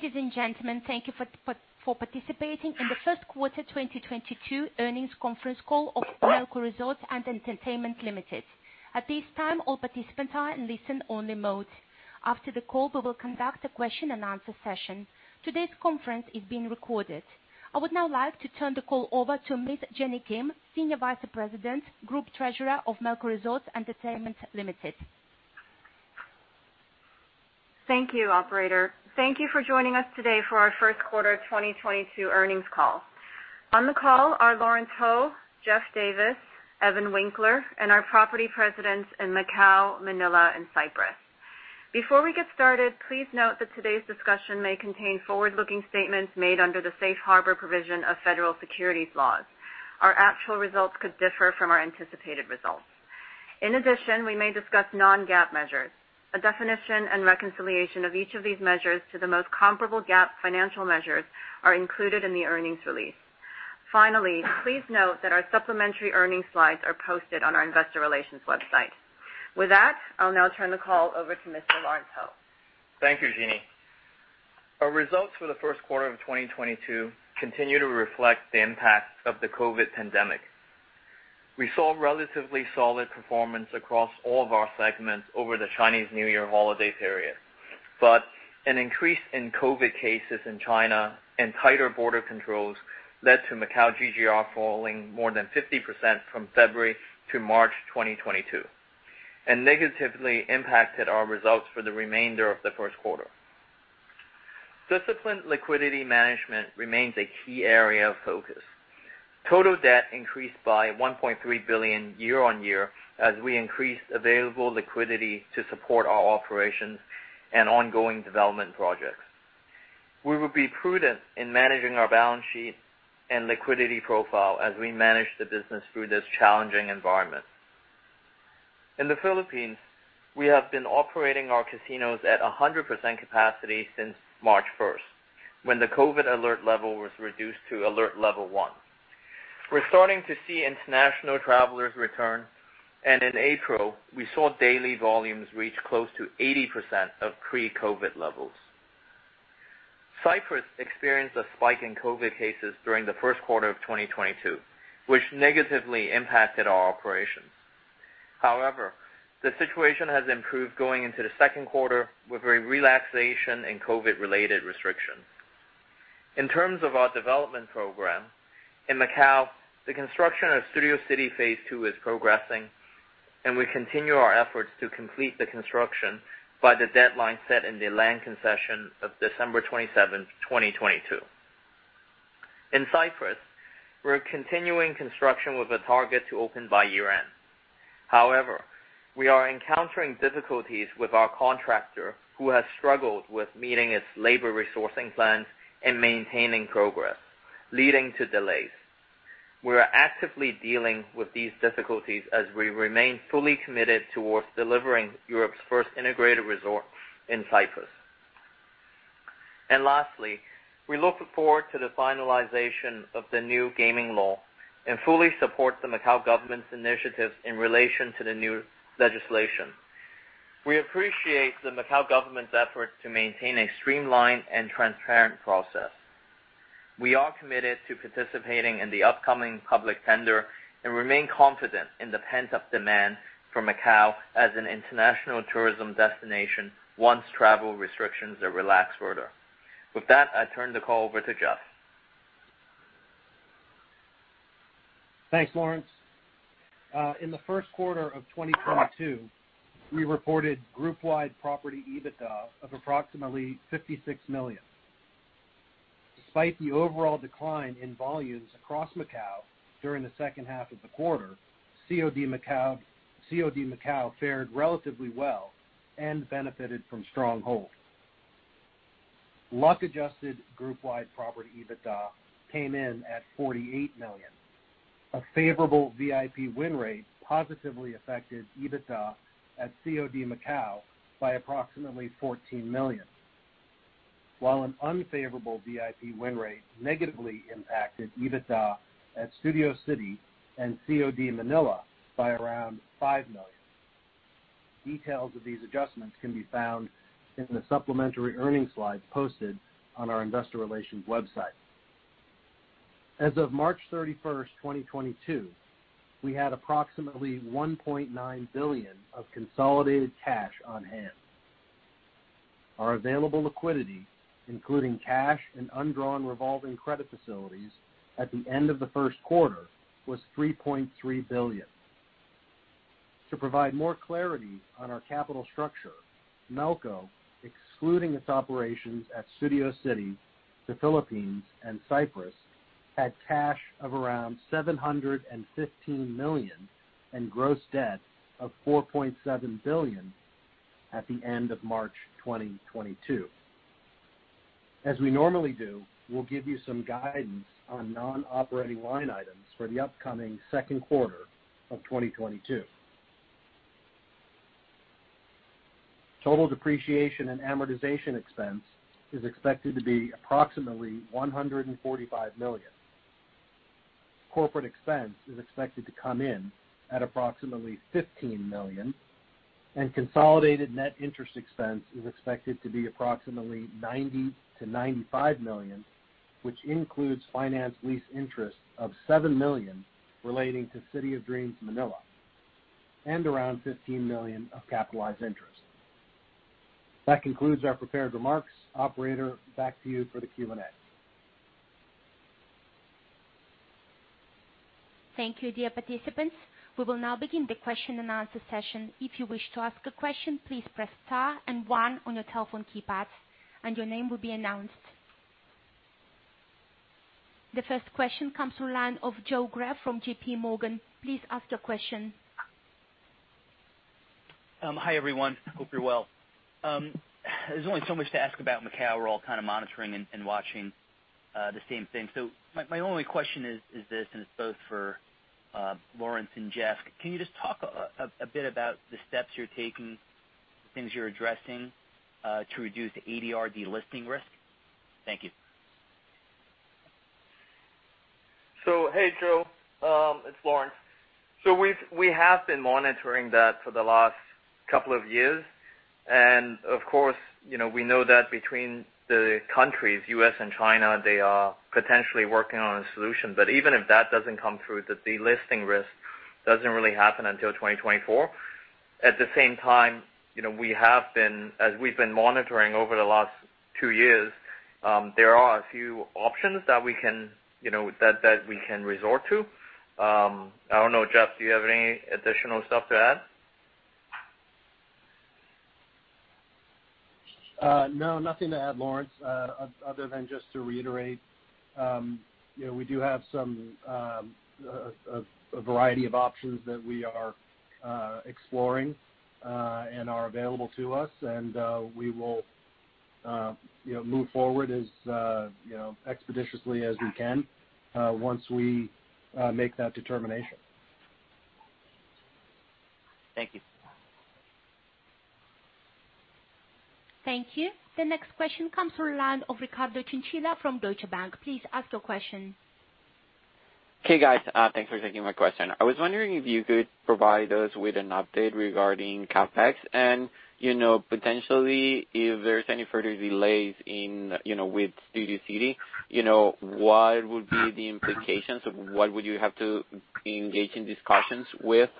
Ladies and gentlemen, thank you for participating in the Q1 2022 earnings conference call of Melco Resorts & Entertainment Limited. At this time, all participants are in listen only mode. After the call, we will conduct a question and answer session. Today's conference is being recorded. I would now like to turn the call over to Ms. Jeanny Kim, Senior Vice President, Group Treasurer of Melco Resorts & Entertainment Limited. Thank you, operator. Thank you for joining us today for our Q1 2022 earnings call. On the call are Lawrence Ho, Geoff Davis, Evan Winkler, and our property presidents in Macau, Manila, and Cyprus. Before we get started, please note that today's discussion may contain forward-looking statements made under the safe harbor provision of Federal Securities laws. Our actual results could differ from our anticipated results. In addition, we may discuss non-GAAP measures. A definition and reconciliation of each of these measures to the most comparable GAAP financial measures are included in the earnings release. Finally, please note that our supplementary earnings slides are posted on our investor relations website. With that, I'll now turn the call over to Mr. Lawrence Ho. Thank you, Jeanny. Our results for the Q1 of 2022 continue to reflect the impact of the COVID pandemic. We saw relatively solid performance across all of our segments over the Chinese New Year holiday period, but an increase in COVID cases in China and tighter border controls led to Macau GGR falling more than 50% from February to March 2022, and negatively impacted our results for the remainder of the Q1. Disciplined liquidity management remains a key area of focus. Total debt increased by $1.3 billion year-on-year as we increased available liquidity to support our operations and ongoing development projects. We will be prudent in managing our balance sheet and liquidity profile as we manage the business through this challenging environment. In the Philippines, we have been operating our casinos at 100% capacity since March 1st, when the COVID alert level was reduced to alert level one. We're starting to see international travelers return, and in April, we saw daily volumes reach close to 80% of pre-COVID levels. Cyprus experienced a spike in COVID cases during the Q1 of 2022, which negatively impacted our operations. However, the situation has improved going into the Q2 with a relaxation in COVID-related restrictions. In terms of our development program, in Macau, the construction of Studio City Phase 2 is progressing, and we continue our efforts to complete the construction by the deadline set in the land concession of December 27, 2022. In Cyprus, we're continuing construction with a target to open by year-end. However, we are encountering difficulties with our contractor who has struggled with meeting its labor resourcing plans and maintaining progress, leading to delays. We are actively dealing with these difficulties as we remain fully committed towards delivering Europe's first integrated resort in Cyprus. Lastly, we look forward to the finalization of the new gaming law and fully support the Macau government's initiatives in relation to the new legislation. We appreciate the Macau government's efforts to maintain a streamlined and transparent process. We are committed to participating in the upcoming public tender and remain confident in the pent-up demand for Macau as an international tourism destination once travel restrictions are relaxed further. With that, I turn the call over to Geoff. Thanks, Lawrence. In the Q1 of 2022, we reported group-wide property EBITDA of approximately $56 million. Despite the overall decline in volumes across Macau during the second half of the quarter, COD Macau fared relatively well and benefited from strong hold. Luck-adjusted group-wide property EBITDA came in at $48 million. A favorable VIP win rate positively affected EBITDA at COD Macau by approximately $14 million, while an unfavorable VIP win rate negatively impacted EBITDA at Studio City and COD Manila by around $5 million. Details of these adjustments can be found in the supplementary earnings slides posted on our investor relations website. As of March 31, 2022, we had approximately $1.9 billion of consolidated cash on hand. Our available liquidity, including cash and undrawn revolving credit facilities at the end of the Q1, was $3.3 billion. To provide more clarity on our capital structure, Melco, excluding its operations at Studio City, the Philippines, and Cyprus, had cash of around $715 million and gross debt of $4.7 billion at the end of March 2022. As we normally do, we'll give you some guidance on non-operating line items for the upcoming Q2 of 2022. Total depreciation and amortization expense is expected to be approximately $145 million. Corporate expense is expected to come in at approximately $15 million, and consolidated net interest expense is expected to be approximately $90 million-$95 million, which includes finance lease interest of $7 million relating to City of Dreams Manila and around $15 million of capitalized interest. That concludes our prepared remarks. Operator, back to you for the Q&A. Thank you, dear participants. We will now begin the question-and-answer session. If you wish to ask a question, please press star and one on your telephone keypad and your name will be announced. The first question comes from the line of Joseph Greff from J.P. Morgan. Please ask your question. Hi, everyone. Hope you're well. There's only so much to ask about Macau. We're all kinda monitoring and watching the same thing. My only question is this, and it's both for Lawrence and Jeff. Can you just talk a bit about the steps you're taking, the things you're addressing to reduce ADR delisting risk? Thank you. Hey, Joe, it's Lawrence. We have been monitoring that for the last couple of years. Of course, you know, we know that between the countries, U.S. and China, they are potentially working on a solution. Even if that doesn't come through, the delisting risk doesn't really happen until 2024. At the same time, you know, as we've been monitoring over the last two years, there are a few options that we can, you know, that we can resort to. I don't know, Jeff, do you have any additional stuff to add? No, nothing to add, Lawrence, other than just to reiterate, you know, we do have some a variety of options that we are exploring and are available to us, and we will, you know, move forward as you know, expeditiously as we can, once we make that determination. Thank you. Thank you. The next question comes from the line of Ricardo Chinchilla from Deutsche Bank. Please ask your question. Hey, guys. Thanks for taking my question. I was wondering if you could provide us with an update regarding CapEx and, you know, potentially if there's any further delays in, you know, with Studio City. You know, what would be the implications of what would you have to engage in discussions with,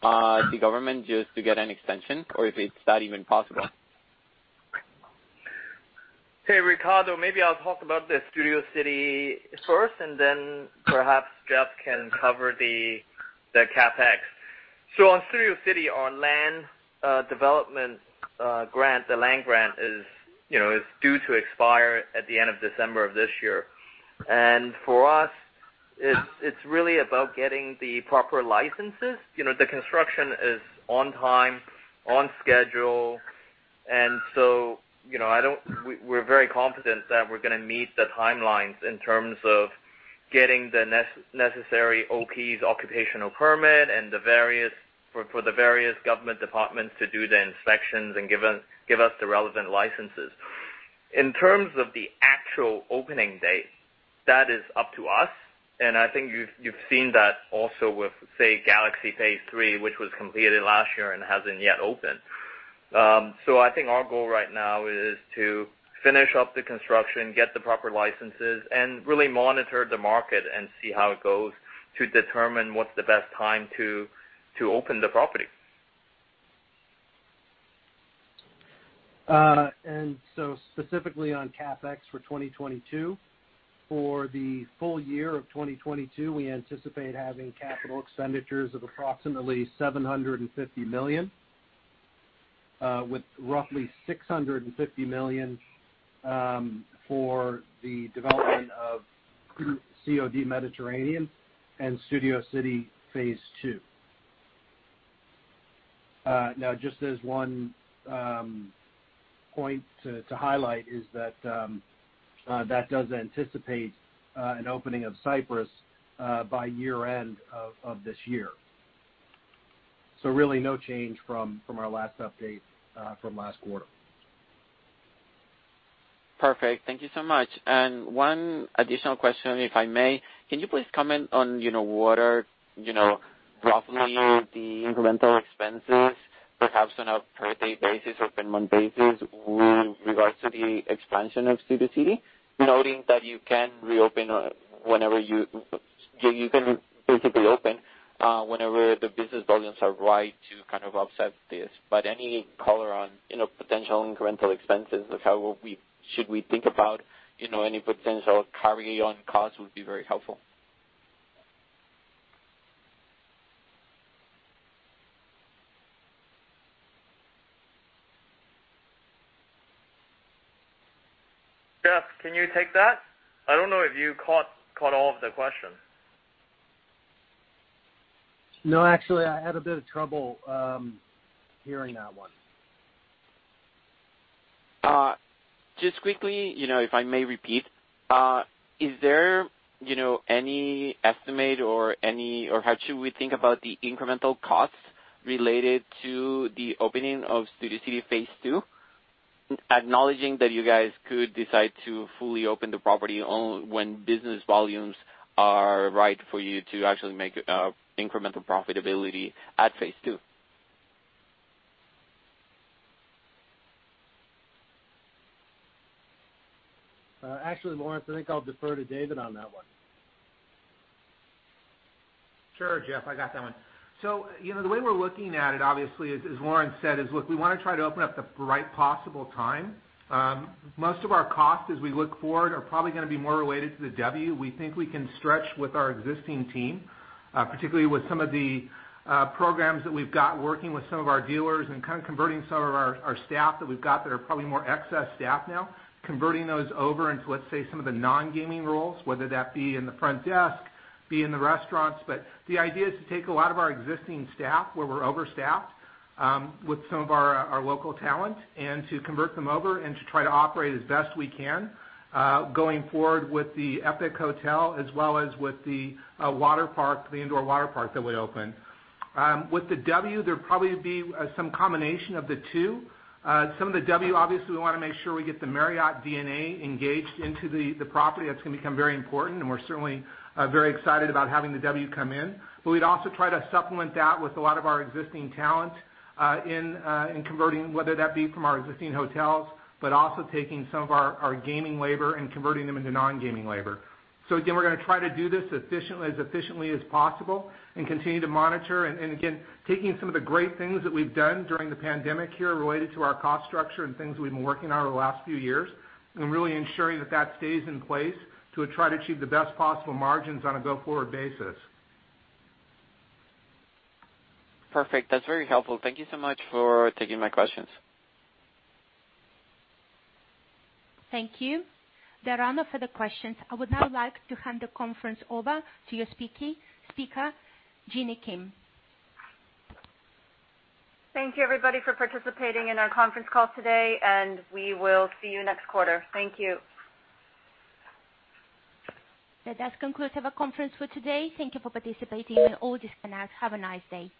the government just to get an extension or if it's not even possible? Hey, Ricardo, maybe I'll talk about the Studio City first, and then perhaps Jeff can cover the CapEx. On Studio City, our land development grant, the land grant is, you know, due to expire at the end of December of this year. For us, it's really about getting the proper licenses. You know, the construction is on time, on schedule, you know, we're very confident that we're gonna meet the timelines in terms of getting the necessary OPs, Occupation Permit, and the various government departments to do the inspections and give us the relevant licenses. In terms of the actual opening date, that is up to us, and I think you've seen that also with, say, Galaxy Phase 3, which was completed last year and hasn't yet opened. I think our goal right now is to finish up the construction, get the proper licenses, and really monitor the market and see how it goes to determine what's the best time to open the property. specifically on CapEx for 2022, for the full year of 2022, we anticipate having capital expenditures of approximately $750 million, with roughly $650 million for the development of City of Mediterranean and Studio City Phase 2. Now just as one point to highlight is that that does anticipate an opening of Cyprus by year-end of this year. Really no change from our last update from last quarter. Perfect. Thank you so much. One additional question, if I may. Can you please comment on, you know, what are, you know, roughly the incremental expenses, perhaps on a per day basis or per month basis with regards to the expansion of Studio City? Noting that you can reopen whenever you can basically open whenever the business volumes are right to kind of offset this. But any color on, you know, potential incremental expenses should we think about, you know, any potential carry on costs would be very helpful. Geoff, can you take that? I don't know if you caught all of the question. No, actually, I had a bit of trouble hearing that one. Just quickly, you know, if I may repeat, is there, you know, any estimate or how should we think about the incremental costs related to the opening of Studio City Phase 2, acknowledging that you guys could decide to fully open the property when business volumes are right for you to actually make incremental profitability at Phase 2? Actually, Lawrence, I think I'll defer to David on that one. Sure. Jeff, I got that one. You know, the way we're looking at it, obviously, as Lawrence said, is look, we wanna try to open up the right possible time. Most of our costs as we look forward are probably gonna be more related to the W. We think we can stretch with our existing team, particularly with some of the programs that we've got working with some of our dealers and kind of converting some of our staff that we've got that are probably more excess staff now, converting those over into, let's say, some of the non-gaming roles, whether that be in the front desk, be in the restaurants. The idea is to take a lot of our existing staff, where we're overstaffed, with some of our local talent, and to convert them over and to try to operate as best we can, going forward with the Epic Tower as well as with the water park, the indoor water park that we opened. With the W, there'd probably be some combination of the two. Some of the W, obviously, we wanna make sure we get the Marriott DNA engaged into the property. That's gonna become very important, and we're certainly very excited about having the W come in. We'd also try to supplement that with a lot of our existing talent, in converting, whether that be from our existing hotels, but also taking some of our gaming labor and converting them into non-gaming labor. Again, we're gonna try to do this efficiently, as efficiently as possible and continue to monitor and again, taking some of the great things that we've done during the pandemic here related to our cost structure and things we've been working on over the last few years and really ensuring that that stays in place to try to achieve the best possible margins on a go-forward basis. Perfect. That's very helpful. Thank you so much for taking my questions. Thank you. There are no further questions. I would now like to hand the conference over to your speaker, Jeanny Kim. Thank you, everybody, for participating in our conference call today, and we will see you next quarter. Thank you. That does conclude our conference for today. Thank you for participating. You may all disconnect. Have a nice day.